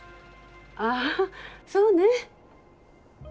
ああそうね。